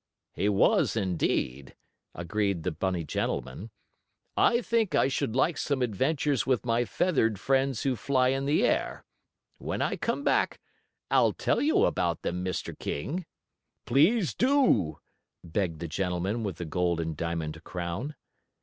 "He was, indeed," agreed the bunny gentleman. "I think I should like some adventures with my feathered friends who fly in the air. When I come back I'll tell you about them, Mr. King." "Please do," begged the gentleman with the gold and diamond crown.